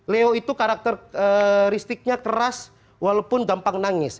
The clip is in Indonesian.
leo itu karakteristiknya keras walaupun gampang nangis